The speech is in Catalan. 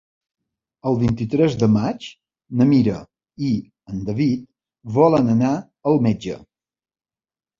El vint-i-tres de maig na Mira i en David volen anar al metge.